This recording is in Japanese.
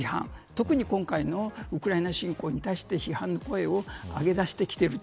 特に今回のウクライナ侵攻に対して、批判の声を上げだしてきている。